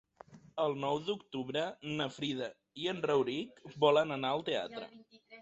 El nou d'octubre na Frida i en Rauric volen anar al teatre.